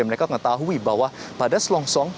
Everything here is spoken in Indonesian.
mereka mengetahui bahwa pada selongsong